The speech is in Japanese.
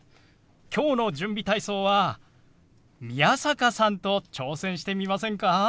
今日の準備体操は宮坂さんと挑戦してみませんか？